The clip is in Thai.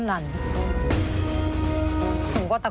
สวัสดีครับ